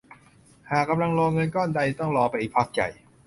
หากกำลังรอเงินก้อนใดต้องรออีกพักใหญ่